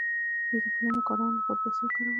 دوی د پلونو کارولو لپاره پیسې ورکولې.